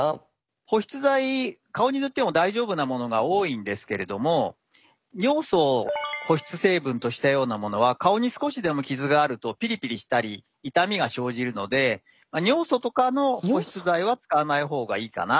保湿剤顔に塗っても大丈夫なものが多いんですけれども尿素を保湿成分としたようなものは顔に少しでも傷があるとピリピリしたり痛みが生じるので尿素とかの保湿剤は使わない方がいいかなって思いますね。